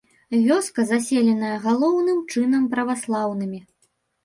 Вёска заселеная галоўным чынам праваслаўнымі.